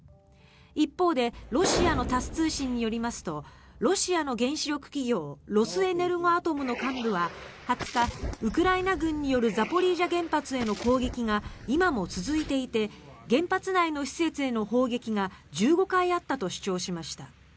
一方でロシアのタス通信によりますとロシアの原子力企業ロスエネルゴアトムの幹部は２０日ウクライナ軍によるザポリージャ原発への攻撃が今も続いていて原発内の施設への砲撃が１５回あったと主張しました。